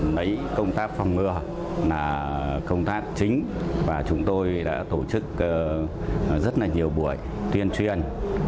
lấy công tác phòng ngừa là công tác chính và chúng tôi đã tổ chức rất là nhiều buổi tuyên truyền